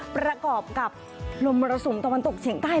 ประกอบกับลมมัระสุมตรวรรดิ์ตกเฉียงใต้